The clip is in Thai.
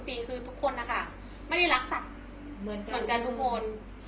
จริงคือทุกคนนะคะไม่ได้รักสัตว์เหมือนกันทุกคน